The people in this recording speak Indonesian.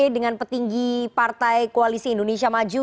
dengan petinggi partai koalisi indonesia maju